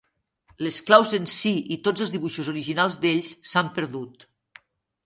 Les claus en si, i tots els dibuixos originals d'ells, s'han perdut.